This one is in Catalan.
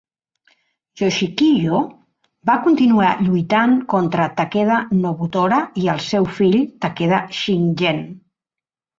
Yoshikiyo va continuar lluitant contra Takeda Nobutora i el seu fill Takeda Shingen.